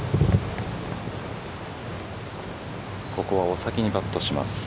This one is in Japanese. ここはお先にパットします。